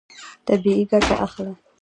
طبیعي ګټه اخله.